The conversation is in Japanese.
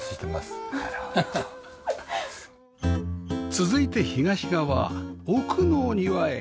続いて東側奥の庭へ